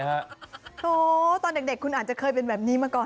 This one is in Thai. โถตอนเด็กคุณอาจจะเคยเป็นแบบนี้มาก่อน